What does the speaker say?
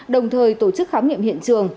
đồng thời tổ chức khám nghiệm hiện trường